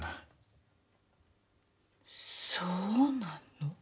そうなの？